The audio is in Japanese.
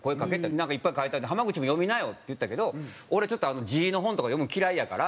なんかいっぱい書いてあって「濱口も読みなよ」って言ったけど「俺ちょっと字の本とか読むん嫌いやから」。